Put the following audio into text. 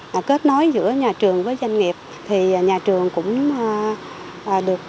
trong việc làm kết nối giữa nhà trường với doanh nghiệp thì nhà trường cũng được làm như thế này